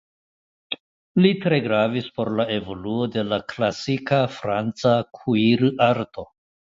Li tre gravis por la evoluo de la klasika franca kuirarto.